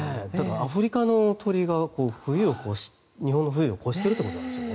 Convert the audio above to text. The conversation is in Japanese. アフリカの鳥が日本の冬を越しているということなんですね。